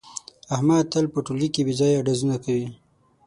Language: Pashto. احمد تل په ټولگي کې بې ځایه ډزونه کوي.